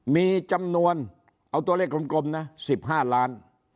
มีจำนวนเอาตัวเลขกลมนะ๑๕ล้าน